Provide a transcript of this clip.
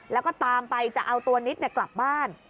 แล้วก็ตามไปจะเอาตัวนิดกลับบ้าน